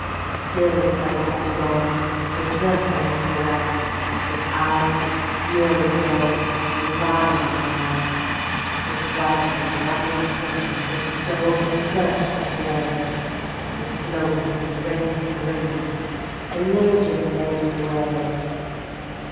_ Still Kelly kept agoing; Berserker like he ran; His eyes with fury glowing, A lion of a man; His rifle madly swinging, His soul athirst to slay, His slogan ringing, ringing, "The Layjun lades the way!"